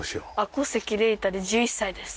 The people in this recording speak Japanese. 小関羚太で１１歳です。